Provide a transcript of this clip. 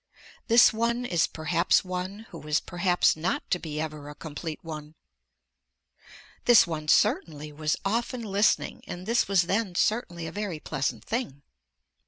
This one is perhaps one who is perhaps not to be ever a complete one. This one certainly was often listening and this was then certainly a very pleasant thing.